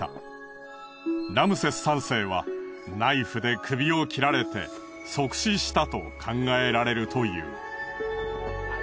ラムセス３世はナイフで首を切られて即死したと考えられるという。